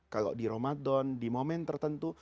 kalau di ramadan di momen tertentu